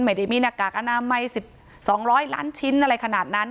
ไม่ได้มีหน้ากากอนามัย๑๒๐๐ล้านชิ้นอะไรขนาดนั้น